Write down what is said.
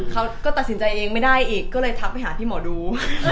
เขาก็ตัดสินใจเองไม่ได้อีกก็เลยทักไปหาพี่หมอดู